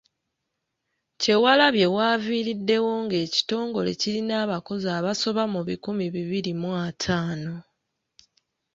Kyewalabye w’aviiriddewo nga ekitongole kirina abakozi abasoba mu bikumi bibiri mu ataano.